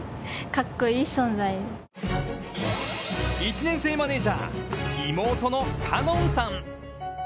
１年生マネージャー、妹の叶望さん。